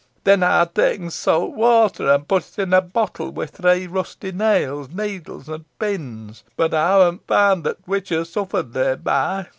Then ey ha' taen sawt weter, and put it in a bottle wi' three rusty nails, needles, and pins, boh ey hanna found that th' witch ha' suffered thereby.